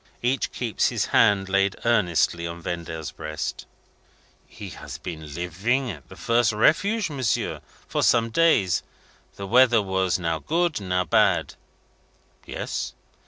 Each keeps his hand laid earnestly on Vendale's breast. "He had been living at the first Refuge, monsieur, for some days. The weather was now good, now bad." "Yes?"